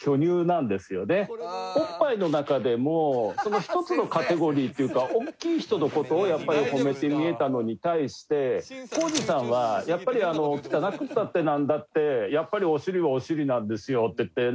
おっぱいの中でも一つのカテゴリーっていうか大きい人の事を褒めてみえたのに対して皇治さんはやっぱり汚くったってなんだってやっぱりおしりはおしりなんですよって。